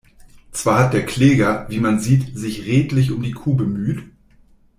Zwar hat der Kläger, wie man sieht, sich redlich um die Kuh bemüht.